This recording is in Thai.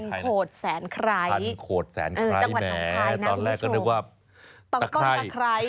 พันโหดแสนไครจังหวัดของไทยแม่ตอนแรกก็เรียกว่าตะเค่ย